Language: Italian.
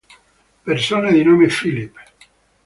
Persone di nome Phillip